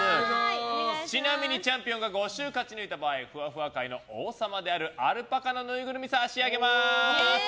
ちなみにチャンピオンが５週勝ち抜いた場合ふわふわ界の王様であるアルパカのぬいぐるみ差し上げます。